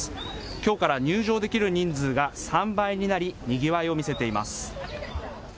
きょうから入場できる人数が３倍になり、にぎわいを見せています。